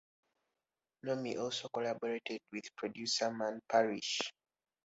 Nomi also collaborated with producer Man Parrish.